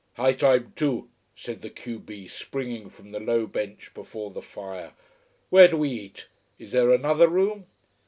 "High time, too," said the q b, springing from the low bench before the fire. "Where do we eat? Is there another room?"